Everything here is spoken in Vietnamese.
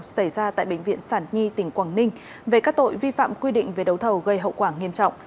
xảy ra tại bệnh viện sản nhi tỉnh quảng ninh về các tội vi phạm quy định về đấu thầu gây hậu quả nghiêm trọng